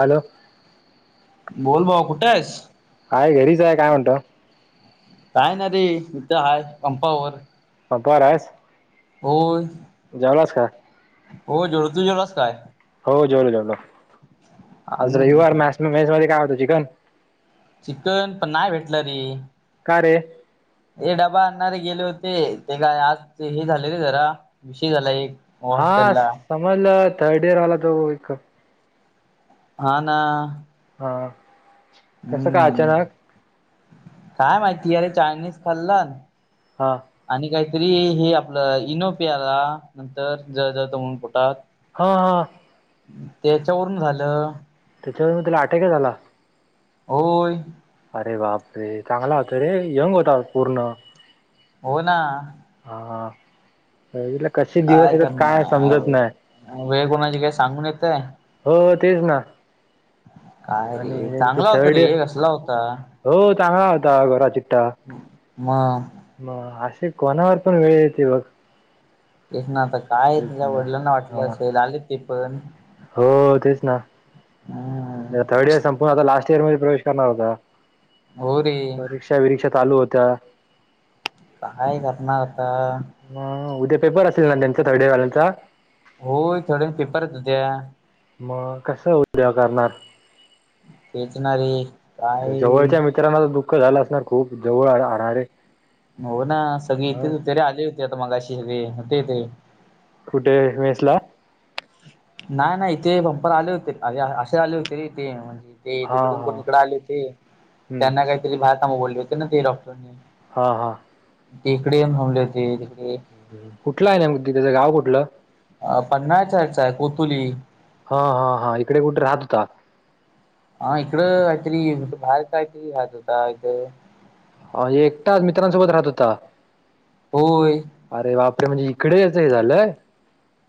Hello. बोल भाऊ कुठ हाईस. हाय घरीच आहे, काय म्हणतो. काय नाही रे, इथं आहे पंपावर. पंपावर हाईस. हो. जेवलास कां? हो जेवलं तु जेवलास काय? हो जेवलो जेवलो आज हम्म रविवार हम्म. म मेस मध्ये काय होतं चिकन. चिकन पण नाही भेटल रे. का रे. हे डबा आणारे गेले होते. ते काय आज ते हे झाले रे, जरा विषय झाला एक. हा हॉस्टेलला समजलं, थर्ड इयर वाला तो एक. हा ना. हा, कसं का हम्म अचानक. काय माहिती अरे, चायनीज खाल्ल्यानं. हा. आणि काहीतरी हे आपलं, इनो प्यायला नंतर जळ जळत म्हणून पोटात. हा हा. तेच्यावरून झालं. त्यांच्यावर तेला अटॅकच आला. होय. अरे बाप रे चांगला होता रे यंग होता पूर्ण. हो ना. हा, आयला कसे दिवस येतात, काय समजत नाही. वेळ कोणाची काय सांगून येते. हो तेच ना. [inaudible] काय आणि रे त्यांची चांगला होता थर्ड रे इयर असला होता. हो चांगला होता गोरा चिट्टा म मग असे कोणावर पण वेळ येते बघ. तेच ना आता काय तेच तिज्या ना वडिलांना हा वाटलं असेल आले ते पण. हो तेच ना. हम्म थर्ड इयर संपून आता लास्ट इयर मध्ये प्रवेश करणार होता. हो रे परीक्षा विरीक्षा चालू होत्या. काय करणार आता? म उद्या पेपर असेल ना त्यांचा थर्ड इयर वाल्यांचा. होय थोड्या पेपर होत होत्या. मग कसं उद्या करणार? तेच ना रे. काय जवळच्या मित्रांना तर दुःख झालं असणार खूप जवळ राहणारे हो ना सगळी इथेच ह होते रे आले होते आता मगाशी रे होते तेे. कुठे मेस ला? नाय, नाय इथे बंपार आले होते अरे आ असे आले होते की ते हा तिकडून हा कोण इकडं आले होते हम्म त्यांना काहीतरी बाहेरकामं बोलले होते ना ते डॉक्टरने. हा हा. ते इकडे येऊन होऊनले होते तिकडे कुठलं आहे नेम तिज्या गाव कुठलं? अ पण नाय चारच्या कोतुली हा हा हा इकडे कुठं राहत होता. हा इकडं कायतरी बाहेर कायतरी राहत होता इथं. अ एकटाच मित्रांसोबत राहत होता. होय. अरे बापरे म्हणजे इकडेच हे झालंय?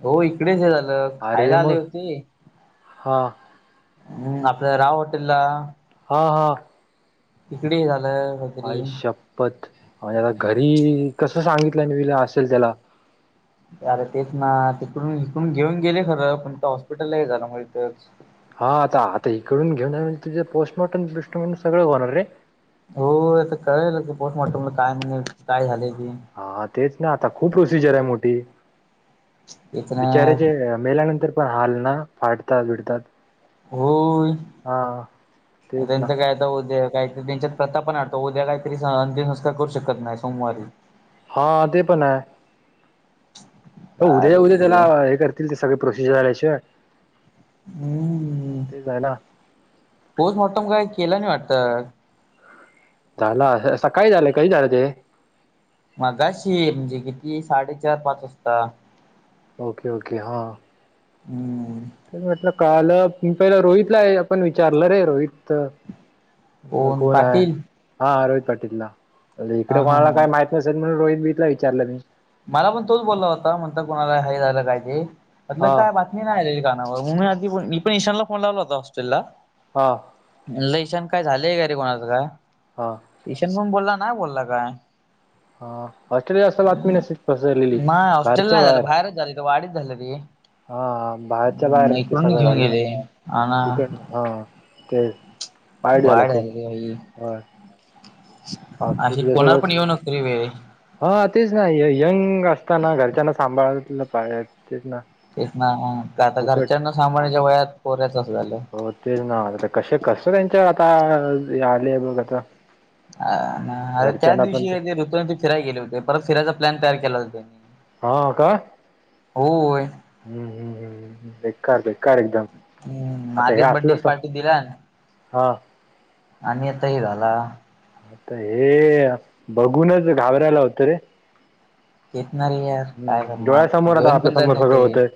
हो इकडेच हे झालं अरे खायला आले मग होते हा. हम्म आपल्या राव हॉटेलला. हा हा. इकडे हे झालंय आई शपथ म्हणजे आता घरी कसं सांगितलं न विला असेल त्याला. अरे तेच ना तिकडून इकडून घेऊन गेले खरं पण तो हॉस्पिटललाही झालं. [unintelligible] हा आता आता इकडून घेऊन जाणे म्हणजे तिजे पोस्टमॉर्टम बिशटून सगळं होणार रे. होय आता कळेल आता पोस्टमॉर्टमला काय म्हणून काय झालेय की. हा तेच ना आता खूप प्रोसिजर आहे मोठी तेच ना बिचार्याचे मेल्यानंतर पण हाल ना फाडतात विडतात. होय तेच ना. त्यांचं काय [unintelligible] काय त्यांच्यात प्रथा पण आडतो उद्या काहीतरी सा अंतिम संस्कार करू शकत नाही सोमवारी हा ते पण आहे. हो उद्या उद्या त्याला अरे हे करतील ते सगळे प्रोसिजर आल्याशिवाय. हम्म तेच आहे ना. पोस्टमॉटम काय केलं नाही वाटतं. त्याला सकाळी असं झालंय कधी झालं ते? मगाशी म्हणजे किती साडे चार पाच वाजता. ओके ओके हां. हम्म. म्हटलं कालं पहिला रोहितला हे आपण विचारलं रे रोहित त कोण आहे हा रोहित पाटीलला अ ले हा इकडे हा कोणाला काही माहीत नसेल म्हणून रोहित बीतला विचारलं मी. मला पण तोच बोलला होता म्हणतं कोणाला हाय झालं काय ते म्हणलं हा का बा मी नाही आलेली कानावर मी आदी मी पण ईशानला फोन लावला होता हॉस्टेलला हा. लेशन काय झालंय रे काय कोणाचं काय? हां ईशन पण बोलला ना बोलला काय? हा हॉस्ट्रेला असं बातमी नसे पसरलेली बाहेरच्या बाहेर तो वाडीत झालं रे. हा बाहेरच्या बाहेर ते सगळं झालं. हा ना तिकडन हा. ते वाईट झालं री. अशी होय कोणावर सोबत पण येऊ नकोरी वेळ. हा तेच ना य यंग असताना घरच्यांना सांभाळलं पाहिजे तेच ना. तेच ना आता फुकट घरच्यांना सांभाळण्याच्या वयात पोऱ्याचा असं झालेय. हो तेच ना आता कशे कसं त्यांच्या आता आ यालेय बघ आता. अ हा अरे त्याच घरच्यांना पण दिवशी ते ऋतू ते फिराय गेले होते परत फिरायचा प्लॅन तयार केला होतो त्यांनी. हा का होय. हम्म हम्म हम्म हम्म, बेकार बेकार एकदम. हम्म आता हे मागेच बड्डेची असलंच पार्टी दिला ना हा आणि आता हे झाला. आता हे बघूनच घाबरायला होतं रे. येत ना रे यार काय हम्म करणार डोळ्यासमोर आता जेवण आपल्या पण जात समोर सगळं नव्हतं हे होतंय.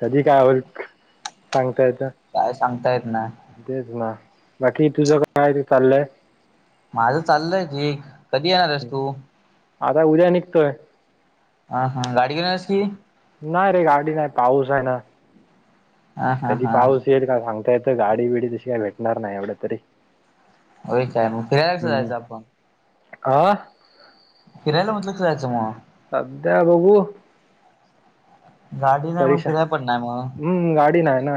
कधी काय होईल सांगता येतं. काय सांगता येत नाही. तेच ना बाकी तुझ काय ते चाललंय? माझं चाललंय ठीक कधी येणारस तू? आता उद्या निघतोय. हा हा गाडी घेऊन येस की. नाही रे गाडी नाही पाऊस आहे ना. ह हा कधी हा पाऊस येईल का सांगता येत गाडी बिडी तशी काय भेटणार नाही एवढ्या तरी. हो काय मग फिरायला कसं जायचं आपण? आ फिरायला म्हटलं करायचं म. अध्या बघू गाडी नाही मग परीक्षा फिराय पण नाही म. हम्म गाडी नाय ना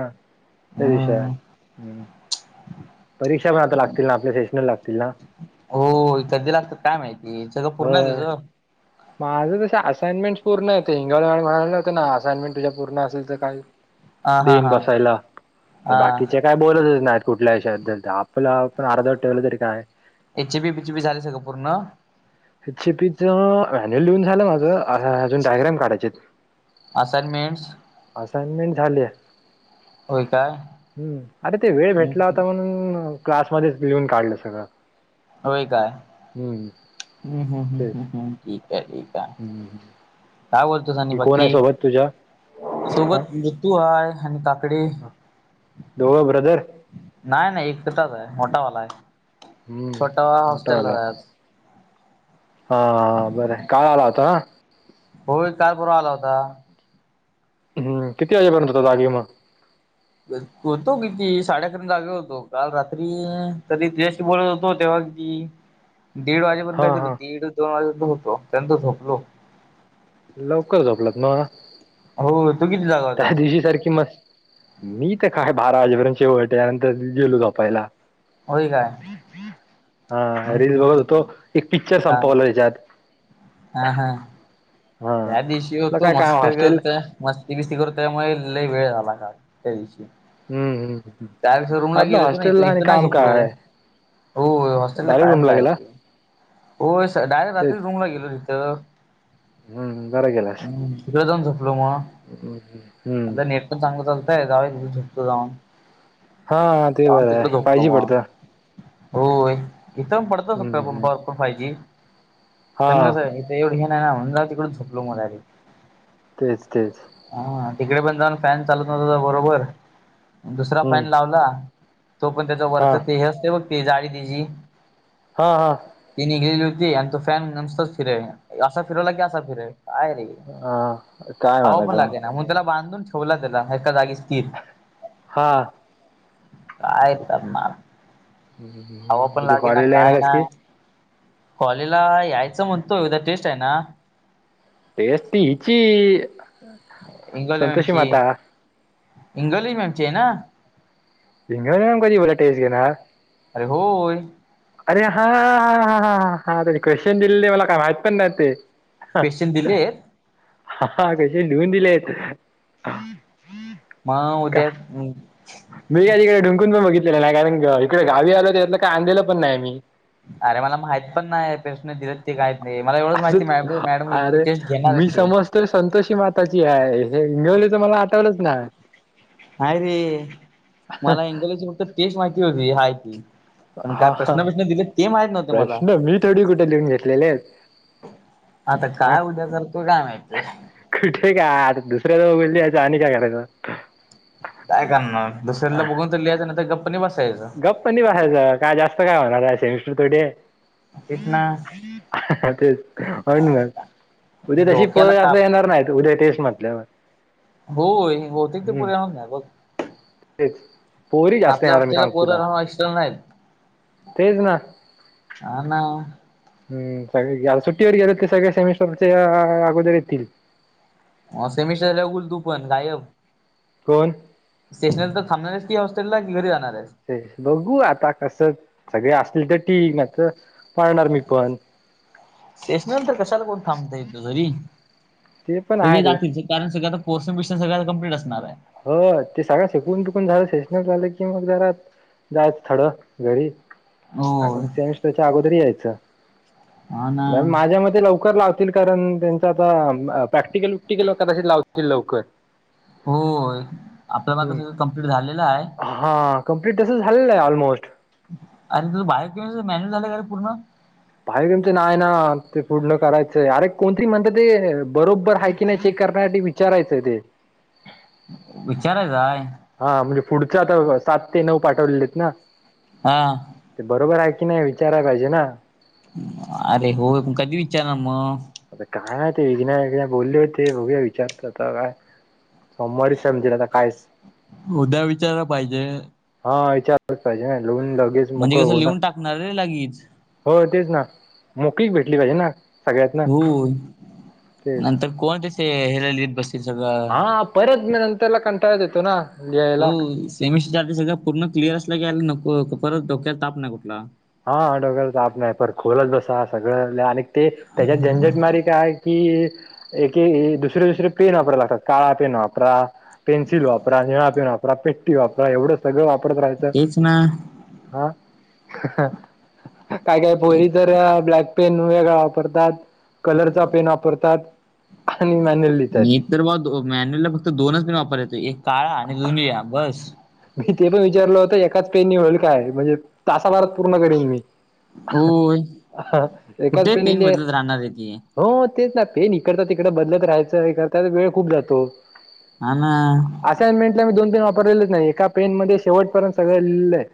ते विषय हाय. परीक्षा पण आता लागतील ना आपल्या सेशनर लागतील ना. हो कधी लागत्यात काय माहिती सगळं पूर्ण होय तेच? माझं तसं असाइनमेंट्स पूर्ण आहे [unintelligible] होतं ना असाइनमेंट तुझ्या पूर्ण असेल तर काही हा हा दिन हा बसयला तर हा बाकीच्या काय बोलतच नाहीत कुठल्या विषयाबद्दल आपलं आपण अर्ध ठेवलं तरी काय एच बी बीच बी झाले सगळं पूर्ण. चीपीचा ह्याने लिहून झालं माझं अह अजून डायग्राम काढायचेत. असाईनमेंट्स असाइनमेंट झालेय. होय काय हम्म अरे ते वेळ भेटला हम्म. होता म्हणून क्लासमध्येच लिहून काढलं सगळं. होय काय? हम्म हम्म हम्म हम्म तेच हम्म हम्म, ठीक आहे, ठीक आहे. हम्म काय बोलतोस आणि की कोण आहे बाकी सोबत तुझ्या हा सोबत मृत्यू हय आणि काकडी हा, दोघ ब्रदर. नाही नाही एक प्रकार [unintelligible] आलाय. हम्म मोठा आला. आज. हा बरं हाय, काय आला होता ना? होय का बर आला होता? हम्म, किती वाजे पर्यंत होता जागे मग? होतो किती साडे अकरा पर्यंत जागे होतो. काल रात्री तरी जस्ट बोलत होतो तेव्हा की दीड वाजेपर्यंत हा काय हा दीड दोन वाजेपर्यंत होतो त्या नंतर झोपलो लवकर झोपलात म? होत तू किती जागा त्या होतास दिवशी सारखी मस्, मी तर काय बारा वाजेपर्यंत शेवट त्यानंतर गेलो झोपायला. होय काय हा रील हम्म बघत होतो हम्म एक पिक्चर हा संपवला याच्यात हा हा, हा त्या दिवशी आपलं होतो काय काम मस्करी हॉस्टेल करत. मस्ती बिस्ती करत त्यामुळे लई वेळ झाला काल, त्या दिवशी. ह हम्म हम्म. काल शोरूमला आपलं गेलो होतो ना, इथं हॉस्टेलला आणि इथं नाही काम झोपलो. काय हो हॉस्टेलला डायरेक्ट कायम रूमला काय गेला होय, स डायरेक्ट तेच रात्रीच रूमला गेलो तिथं. हम्म बरं गेलास तिकडं जाऊन झोपलं म, हम्म हम्म. आता ने [unintelligible] चांगलं चालतंय [unintelligible] हा ते जाऊन बरं आहे, तिकडे झोपलो फायजी मग पडतं. होय, इथं पण पडतच असतंय हम्म हम्म पंपावरपण फायजी. हा पण कसं हाय ते एवढे हे नाही ना, म्हणून तिकडच झोपलो म डायरेक्ट. तेच तेच. हा तिकडे पण जाऊन फॅन चालत नव्हता बरोबर, दुसरा हम्म फॅन लावला तो पण तेज हा वरचं ते हे असतंय बघ, ते जाळी तीजी. हा हा. ती निघलेली होती आणि तो फॅन नसताच फिराय, असा फिरवला की असा फिरे काय रे. हा काय हवापण म्हणायचं लागेना, मग त्याला बांधून ठेवला त्याला एका जागी स्थिर. हां काय करणार, हवापण उद्या लागेना कॉलेजला येणार काय आहेस नाय. की कॉलेजला यायचं म्हणतो, उद्या टेस्ट आहे ना? तेच ती हिची संतोषी माता. इंगवले मॅमची आहे ना? इंगे मेम कधी बोला टेस्ट घेणार अरे होय. अरे हा हा हा हा हा हा, त्यांनी क्वेश्चन दिलेले मला काय माहत पण नाही ते. हा क्वेश्चन दिलेत हा क्वेशन लिहून दिले आहेत. हां उद्या हम्म. मी का तिकडे ढुंकून पण बघितलेलं नाही. कारण इकडे गावी आलो, त्यायातनं काय आणलेलं पण नाही आम्ही. अरे मला माहित पण नाही प्रश्न दिलेत ते काहीच नाही मला एवढच माहिती म असं मॅडम टेस्ट घेणार आहेत ते तर संतोषी माताची हाय, हे इंगवले तर मला आठवलंच नाय. हाय रे, मला इंग्लिशची फक्त टेस्ट माहिती होती हाय ती. पण काय हा हा प्रश्न ब्रिश्न दिले ते माहित नव्हते मला प्रश्न, मी थोडी कुठे लिहून घेतलेले आहेत. आता हा काय उद्या करतो काय माहतीय कुठे काय, आता दुसऱ्याजवळ बोलली याचं आणि काय करायचं. काय करणार, दुसऱ्याकडलं बघून तर लिहायचं, नाही तर गप्पनी बसायचं. गप्प लय [unintelligible] काय जास्त काय होणार आहे सेमिस्टर डे. तेच ना. तेच [unintelligible] मग. उद्या तशी पग डोक्याला असं ताप येणार नाहीत उद्या टेस्ट नाय. लई भारी. होय बहुतेक ते [unintelligible] बघ तेच पोरी जास्त आपल्या येणार मी हॉस्टेलला सांगतो कोण तुला [unintelligible] नाहीत तेच ना हा ना. हम्म सगळे गेले आता सुट्टीवर गेलेत सगळे सेमिस्टरच्या अगोदर येतील. हा सेमिस्टरला होईल तू पण गायब. कोण? सेशनलला तर थांबणार आहेस की हॉस्टेलला, की घरी जाणार आहेस? ते बघू आता कस सगळे असले तर ठीक नाहीतर पाळणार मी पण. शेसनला तर कशाला कोण थांबतील इथं तरी ते पण आहे सगळे रे जातील चल कारण सगळं आता पोर्शन बिर्शन सगळं आता कंप्लीट असणार आहे. हो ते सगळा शिकून टुकून झालं, सेशनल झालं की मग जरा जायचं थोडं घरी. आणि होय सेमिस्टरच्या अगोदर यायचं. हा ना माझ्या मते लवकर लावत असतील कारण त्यांच आता प्रॅक्टिकल विकटिकल कदाचित लावतील लवकर. होय. आपलं आता हम्म. कसं कंप्लीट झालेला हाय. हा कंमप्लीट तसं झालेलं आहे ऑलमोस्ट. अर तुझं बाहेरच मॅन्यूल झालंय काय रे पूर्ण? भाय तुमचं नाय ना ते पूर्ण करायचंय. अरे कोणतरी म्हणत ते बरोबर आहे की नाही चेक करण्यासाठी विचारायचं ते विचाराय जाय. हा म्हणजे पुढच्या आता सात ते नऊ पाठवलेलेत ना. हा. ते बरोबर आहे की नाही विचाराय पाहिजे ना. अरे होय पण कधी विचारणार मग? आता काय ते [unintelligible] एकदा बोलले होते बघूया विचारतो आता काय. सोमवारी समजेल आता कायच उद्या विचारायला पाहिजे हा विचारलंच पाहिजे ना लिहून लगेच म्हणजे मोकळ होऊ ना. [unintelligible] लागीच. हो तेच ना मोकळीक भेटली पाहिजे ना. सगळ्यात ना हो. तेच बसतील सगळं. हा परत मग नंतरला कंटाळाच येतो ना. न्यायला एसएससीच्या आधी सगळं पूर्ण क्लिअर असलं की नको परत डोक्यात ताप नाही कुठला. हा डोक्याला ताप नाही. परत खोलत बसा सगळं आणि ते त्याच्यात झंजट मारी काय की एके दुसरे दुसरे पेन वापरायला लागतात. काळा पेन वापरा पेन्सिल वापरा, निळा पेन वापरा, पेट्टी वापरा एवढं सगळं वापरत राहायचं. तेच ना. हा. काय काय पोरी तर ब्लॅक पेन वेगळा वापरतात, कलरचा पेन वापरतात आणि मॅन्यूल मी तर बा मॅन्युलला फक्त दोनच मी वापर येतो एक काळा आणि दोन निळा बस. मी ते पण विचारलं होत एकाच पेननी होईल काय? म्हणजे तासाभारात पूर्ण करेन मी. होय. एकाच कुठे पेननी पेन लिहे बदलत राहणार आहे ती. हो तेच ना पेन इकडता तिकडं बदलत राहायचं. त्याला वेळ खूप जातो. हा ना. असाईनमेंटला मी दोन तीन वापरलेलच नाही. एका पेनमध्ये शेवटपर्यंत सगळं लिहिलेलं आहे.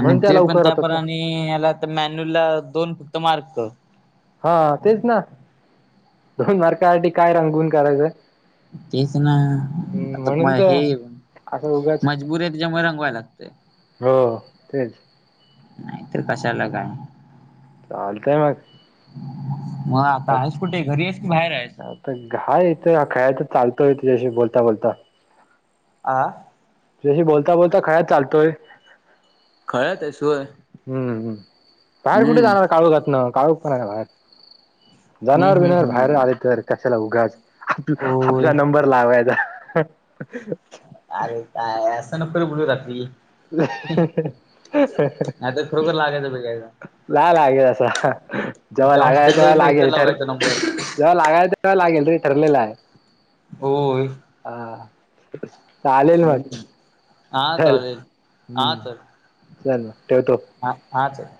म्हणून त्या लवकर होत्यात ना. हम्म, याला तर मॅन्युल ला दोन फक्त मार्क. हा तेच ना दोन मार्कासाठी काय रांंगून काढायचं. तेच ना आता मग हे तर असं उगाच मजबूरी आहे त्याच्यामुळे रंगवाय लागतंय. हो तेच नाही तर कशाला काय? चालतंय मग मग आता आहेस कुठे? घरी आहेस कि बाहेर आहेस घाय इथ खायच चालत इथल्याशी बोलता बोलता [unintelligible] आं तुझ्याशी बोलता बोलता खायत चालतोय. काय तशी ओ हम्म बाहेर कुठे जाणार काळूखातन काळूख पण आहे बाहेर. हम्म जानवरं हम्म बिना वर बाहेरून हम्म आलेेत तर कशाला उगाच आप होय. आपला नंबर लावायचा. अरे! काय असं नको बोलू रात्री. [unintelligible] आता खरोखर लागायचं बघायच ला लागेल असं जेव्हा त्या लागाल हॉस्टेलला तेव्हा मग इथं लागेल तर. लावायचा नंबर जेव्हा लागायल तेव्हा लागेल ठरलेला आहे. होय.. हा चालेल मग हम्म हा चल चालेल हा हम्म चल चल ठेवतो. हा हाच हे